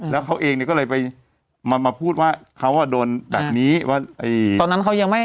แล้วเขาเองเนี่ยก็เลยไปมาพูดว่าเขาอ่ะโดนแบบนี้ว่าตอนนั้นเขายังไม่